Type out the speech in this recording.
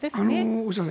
大下さん